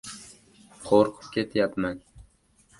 Qo‘rqib ketyapman...